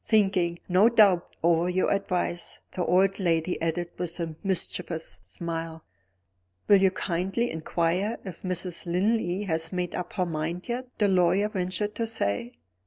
Thinking, no doubt, over your advice," the old lady added with a mischievous smile. "Will you kindly inquire if Mrs. Linley has made up her mind yet?" the lawyer ventured to say.